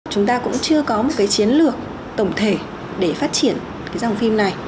chúng ta cũng chưa có một chiến lược tổng thể để phát triển dòng phim này